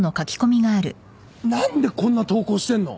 何でこんな投稿してんの？